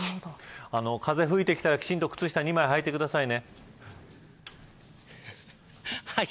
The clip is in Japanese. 風が吹いてきたらきちんと靴下２枚はいてくださいね。